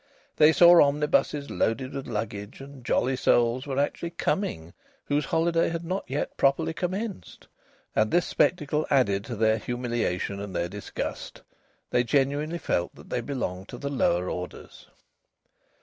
They saw omnibuses loaded with luggage and jolly souls were actually coming, whose holiday had not yet properly commenced. And this spectacle added to their humiliation and their disgust. They genuinely felt that they belonged to the lower orders.